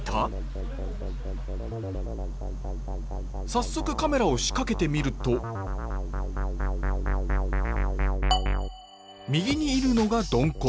早速カメラを仕掛けてみると右にいるのがドンコ。